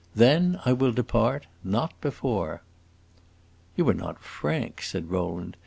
Then, I will depart; not before." "You are not frank," said Rowland.